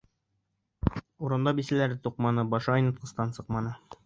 Урамда бисәләрҙе туҡманы, башы айнытҡыстан сыҡманы.